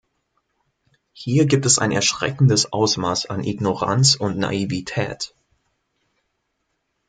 Hier gibt es ein erschreckendes Ausmaß an Ignoranz oder Naivität.